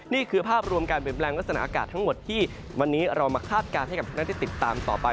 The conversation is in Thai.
นี่คือภาพรวมการเปลี่ยนแปลงลักษณะอากาศทั้งหมดที่วันนี้เรามาคาดการณ์ให้กับทุกท่านได้ติดตามต่อไป